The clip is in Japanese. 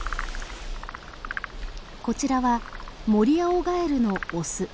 こちらはモリアオガエルのオス。